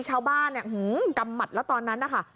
ชาวบ้านเนี่ยกำหมัดแล้วตอนนั้นนะคะ